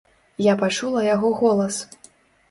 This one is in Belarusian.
Я пачула яго голас.